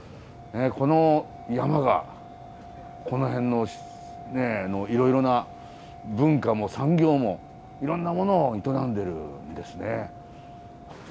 この山がこの辺のねいろいろな文化も産業もいろんなものを営んでるんですね。